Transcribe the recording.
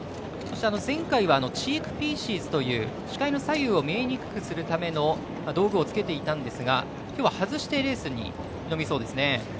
前回はチークピーシズという視界の左右を見えにくくするための道具をつけていたんですがきょうは外してレースに挑みますね。